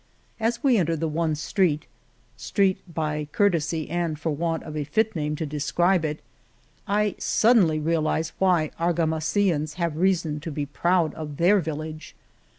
As we enter the one street ( street " by courtesy and for want of a fit name to describe it) I suddenly realize why Argamasillans have reason to be proud of their village.